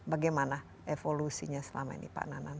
bagaimana evolusinya selama ini pak nanan